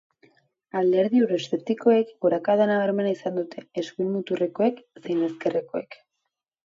Alderdi euroeszeptikoek gorakada nabarmena izan dute, eskuin muturrekoek zein ezkerrekoek.